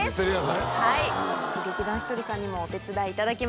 劇団ひとりさんにもお手伝いいただきます。